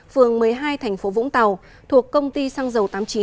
phường một mươi hai thành phố vũng tàu thuộc công ty xăng dầu tám mươi chín